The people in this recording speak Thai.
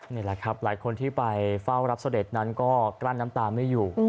นี่แหละครับหลายคนที่ไปเฝ้ารับเสด็จนั้นก็กลั้นน้ำตาไม่อยู่